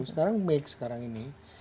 sekarang mix sekarang ini